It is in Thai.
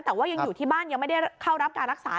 แต่ว่ายังอยู่ที่บ้านยังไม่ได้เข้ารับการรักษา